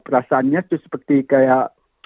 rasanya itu seperti kayak